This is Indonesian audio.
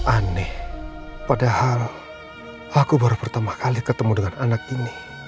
aneh padahal aku baru pertama kali ketemu dengan anak ini